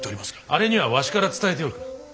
あれにはわしから伝えておく。